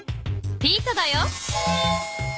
ピートだよ。